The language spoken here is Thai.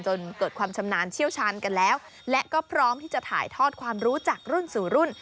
จนเกิดความชำนาญเชี่ยวชาญกันแล้วและก็พร้อมที่จะถ่ายทอดความรู้จากรุ่นสู่รุ่น